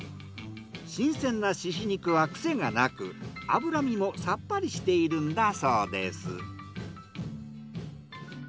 新鮮な猪肉は癖がなく脂身もさっぱりしているんだそうです。